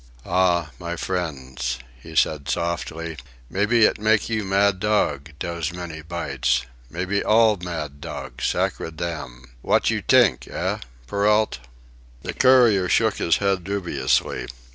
"Ah, my frien's," he said softly, "mebbe it mek you mad dog, dose many bites. Mebbe all mad dog, sacredam! Wot you t'ink, eh, Perrault?" The courier shook his head dubiously.